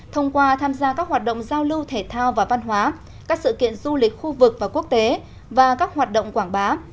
thông qua tham gia các hoạt động giao lưu thể thao và văn hóa các sự kiện du lịch khu vực và quốc tế và các hoạt động quảng bá